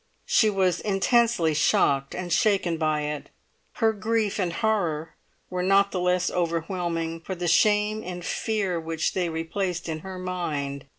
She was intensely shocked and shaken by it. Her grief and horror were not the less overwhelming for the shame and fear which they replaced in her mind.